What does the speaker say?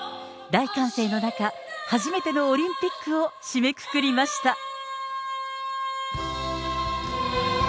大歓声の中、初めてのオリンピックを締めくくりました。